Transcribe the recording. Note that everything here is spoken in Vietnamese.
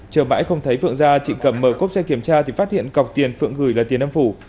chờ bãi không thấy phượng ra chị cầm mở cốp xe kiểm tra thì phát hiện cọc tiền phượng gửi là tiền âm phủ